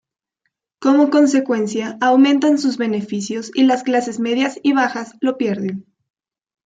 Como consecuencia, aumentan sus beneficios y las clases medias y bajas lo pierden.